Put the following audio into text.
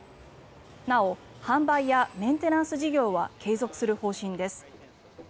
なお、販売やメンテナンス事業は継続する方針です。